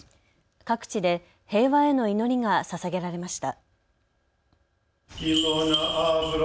各地で平和への祈りがささげられました。